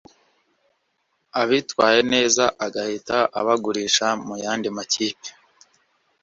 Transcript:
abitwaye neza agahita abagurisha mu yandi makipe